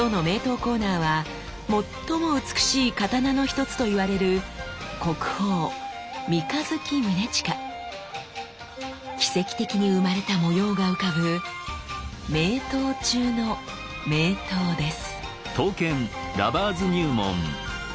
コーナーは最も美しい刀の一つと言われる奇跡的に生まれた模様が浮かぶ名刀中の名刀です！